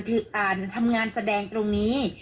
คืออ่านทำงานแสดงตรงนี้